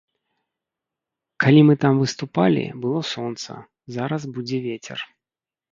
Калі мы там выступалі, было сонца, зараз будзе вецер.